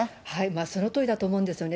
そのとおりだと思うんですよね。